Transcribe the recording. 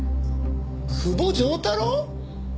久保丈太郎！？